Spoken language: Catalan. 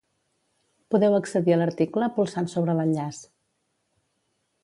Podeu accedir a l'article polsant sobre l'enllaç.